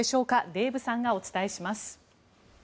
デーブさんがお伝えします。